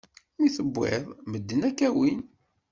Mi tewwiḍ, medden ad k-awin.